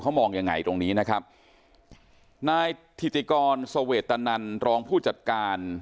เขามองอย่างไงตรงนี้นะครับนายธิจกรทรวรษตนนรองผู้จัดการ